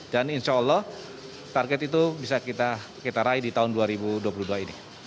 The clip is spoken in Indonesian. dan insya allah target itu bisa kita raih di tahun dua ribu dua puluh dua ini